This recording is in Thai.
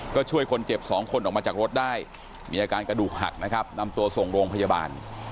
ก็ช่วยคนเจ็บ๒คนออกมาจากรถได้มีอาการกระดูกหักนะครับนำตัวส่งโรงพยาบาล